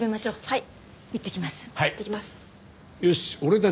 はい。